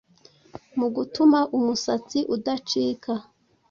mu gutuma umusatsi udacika,